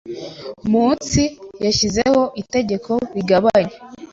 munsi Yashyizeho itegeko rigabanya